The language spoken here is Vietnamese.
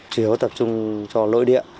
chủ yếu tập trung cho lội địa